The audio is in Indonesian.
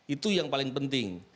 itu yang paling penting